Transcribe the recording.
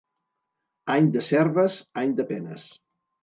Any de serves, any de penes.